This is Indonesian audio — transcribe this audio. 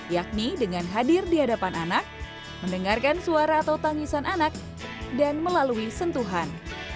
yakni dengan hadir di hadapan anak mendengarkan suara atau tangisan anak dan melalui sentuhan